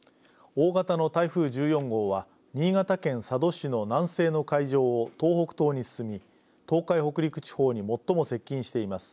大型の台風１４号は新潟県佐渡市の南西の海上を東北東に進み東海北陸地方に最も接近しています。